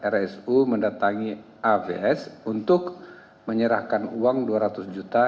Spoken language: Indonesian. rsu mendatangi avs untuk menyerahkan uang dua ratus juta